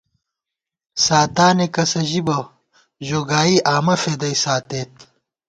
ساتانےکسہ ژِی بہ ، ژو گائی آمہ فېدَئی ساتېت